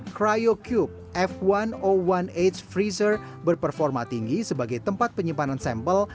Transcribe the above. cryo cube f satu ratus satu h freezer berperforma tinggi sebagai tempat penyimpanan sampel